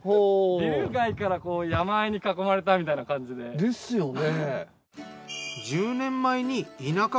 ビル街から山あいに囲まれたみたいな感じで。ですよね。